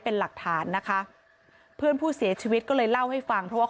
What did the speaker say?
เป็นหลักฐานนะคะเพื่อนผู้เสียชีวิตก็เลยเล่าให้ฟังเพราะว่า